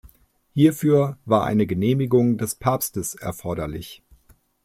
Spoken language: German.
Hierfür war eine Genehmigung des Papstes erforderlich.